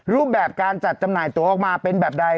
รูปแบบการจัดจำหน่ายตัวออกมาเป็นแบบใด